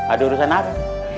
ada urusan apa